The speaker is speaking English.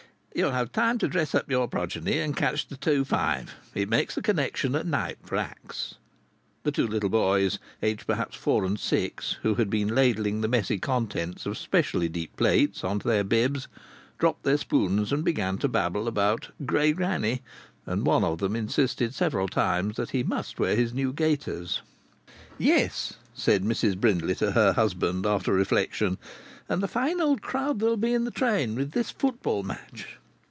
"You'll have time to dress up your progeny and catch the 2.5. It makes the connection at Knype for Axe." The two little boys, aged perhaps four and six, who had been ladling the messy contents of specially deep plates on to their bibs, dropped their spoons and began to babble about grea' granny, and one of them insisted several times that he must wear his new gaiters. "Yes," said Mrs Brindley to her husband, after reflection. "And a fine old crowd there'll be in the train with this football match!"